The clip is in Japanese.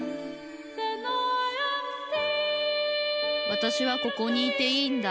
わたしはここにいていいんだ